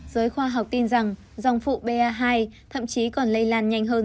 giới khoa học tin rằng dòng phụ ba hai thậm chí còn lây lan nhanh hơn